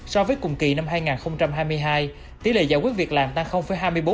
so với cùng kỳ năm hai nghìn hai mươi hai tỷ lệ giải quyết việc làm tăng hai mươi bốn